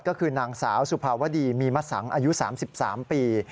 ก็คือนางสาวสุภาวดีมีมสังอายุ๓๓ปี